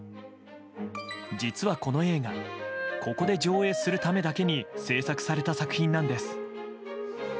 実は、この映画ここで上映するためだけに制作された作品なんです。